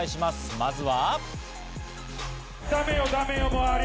まずは。